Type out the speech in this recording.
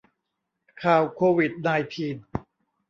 ข่าวโควิดไนน์ทีน